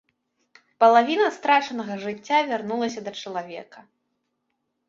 Палавіна страчанага жыцця вярнулася да чалавека.